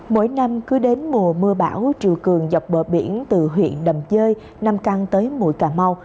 mỗi năm cứ đến mùa mưa bão triều cường dọc bờ biển từ huyện đầm dơi nam căng tới mũi cà mau